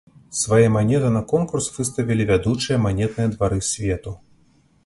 Свае манеты на конкурс выставілі вядучыя манетныя двары свету.